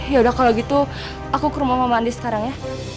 yaudah kalo gitu aku ke rumah mama andis sekarang ya